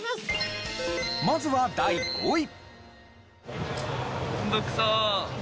まずは第５位。